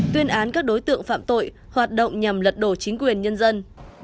tuyên án các đối tượng phạm tội hoạt động nhằm lật đổ chính quyền nhân dân